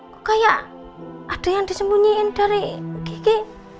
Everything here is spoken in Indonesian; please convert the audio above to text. kok kayak ada yang disembunyiin dari gigi